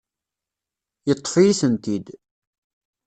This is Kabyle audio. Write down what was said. Yeṭṭef-iyi-tent-id.